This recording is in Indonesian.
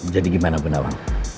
jadi gimana benawang